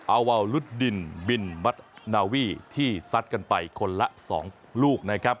อาวาวรุดดินบินมัดนาวีที่ซัดกันไปคนละ๒ลูกนะครับ